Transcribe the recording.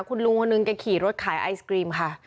คุณลุงคนนึงแกขี่รถขายไอศกรีมค่ะ